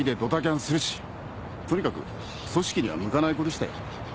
とにかく組織には向かない子でしたよ。